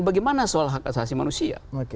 bagaimana soal hak asasi manusia